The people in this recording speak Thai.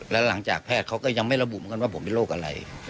แล้วหลังจากแพทย์เขาก็ยังไม่ระบุเหมือนกันว่าผมเป็นโรคอะไร